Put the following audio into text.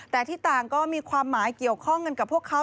แต่ที่ต่างก็มีความหมายเกี่ยวข้องกันกับพวกเขา